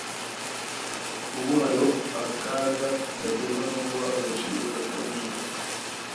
Ubu hariho akaga gaterwa no guha agaciro gakabije